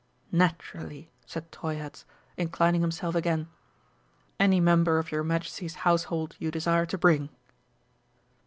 "Naturally," said Treuherz, inclining himself again. "Any member of your Majesty's household you desire to bring."